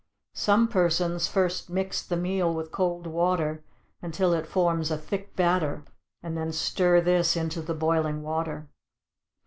Some persons first mix the meal with cold water until it forms a thick batter, and then stir this into the boiling water.